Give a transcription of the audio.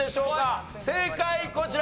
正解こちら！